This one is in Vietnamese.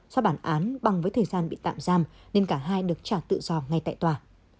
do bản án bằng với thời gian bị tạm giam nên cả hai được trả tự do ngay tại tòa